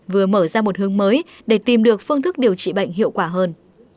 vừa mở ra một hướng mới để tìm được phương thức điều trị bệnh hiệu quả hơn